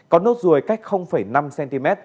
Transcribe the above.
có nốt ruồi cách năm cm